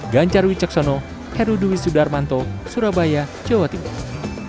ganjar wiceksono herudwi sudarmanto surabaya jawa tenggara